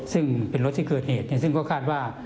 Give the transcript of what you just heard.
ซึ่งเป็นรถที่เกิดเหตุซึ่งก็คาดว่า